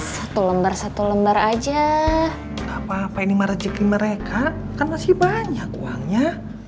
satu lembar satu lembar aja gak apa apa ini merejeki mereka kan masih banyak uangnya